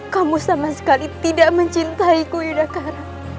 kamu sama sekali tidak mencintaiku yodha kar